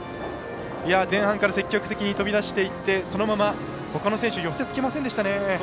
前半から積極的に飛び出していってそのまま、ほかの選手寄せつけませんでしたね。